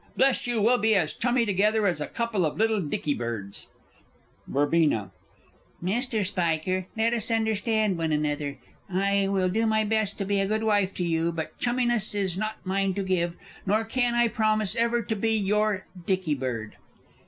Bless you, we'll be as chummy together as a couple of little dicky birds. Verb. Mr. Spiker, let us understand one another. I will do my best to be a good wife to you but chumminess is not mine to give, nor can I promise ever to be your dicky bird.